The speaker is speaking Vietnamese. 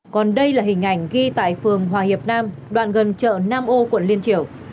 còn đây là hình ảnh ghi tại phường hòa hiệp nam đoạn gần chợ nam âu quận liên triểu